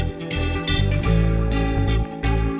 bukit p romo